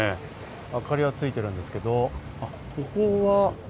明かりはついてるんですけど。